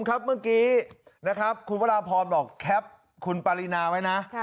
พร้อมครับเมื่อกี้นะครับคุณพระราบพร้อมหรอกแคปคุณปารีนาไว้นะ